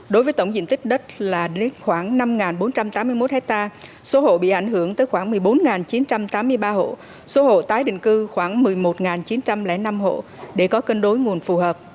đối với tổng diện tích đất là khoảng năm bốn trăm tám mươi một hectare số hộ bị ảnh hưởng tới khoảng một mươi bốn chín trăm tám mươi ba hộ số hộ tái định cư khoảng một mươi một chín trăm linh năm hộ để có cân đối nguồn phù hợp